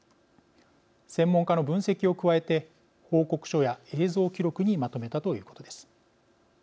専門家の分析を加えて報告書や映像記録にまとめたということです。